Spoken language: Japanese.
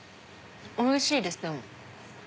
おいしいです。